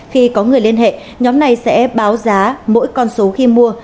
khi có người liên hệ nhóm này sẽ báo giá mỗi con số khi mua